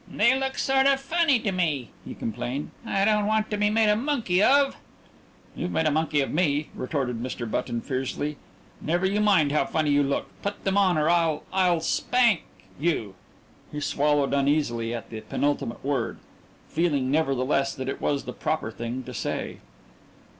"They look sort of funny to me," he complained, "I don't want to be made a monkey of " "You've made a monkey of me!" retorted Mr. Button fiercely. "Never you mind how funny you look. Put them on or I'll or I'll spank you." He swallowed uneasily at the penultimate word, feeling nevertheless that it was the proper thing to say.